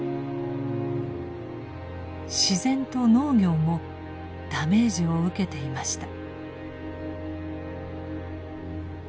自然と農業もダメージを受けていました。